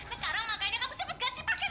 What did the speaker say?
sekarang makanya kamu cepet ganti pakaian